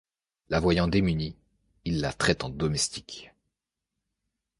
La voyant démunie, ils la traitent en domestique...